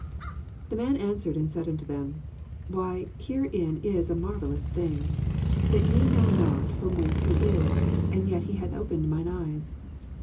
30 The man answered and said nnto them, Why, herein is a marvellous thing, that ye know not from whence he is, and yet he hath opened mine eyes.